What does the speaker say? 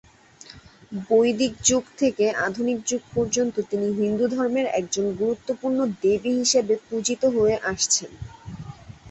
বৈদিক যুগ থেকে আধুনিক যুগ পর্যন্ত তিনি হিন্দুধর্মের একজন গুরুত্বপূর্ণ দেবী হিসাবে পূজিত হয়ে আসছেন।